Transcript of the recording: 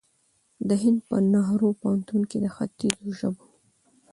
د هند په نهرو پوهنتون کې د خیتځو ژبو